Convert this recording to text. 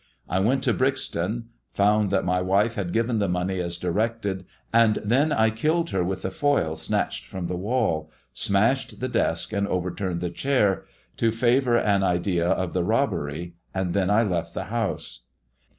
I went to Srixta found that my wife had given the money us dii ected, then I killed her with the foil simtched fram the waJL smashed the desk and overturned the chair, to favour idea of the robbery, and then I left the house.